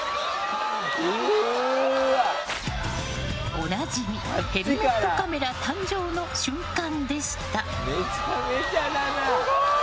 おなじみヘルメットカメラ誕生の瞬間でした。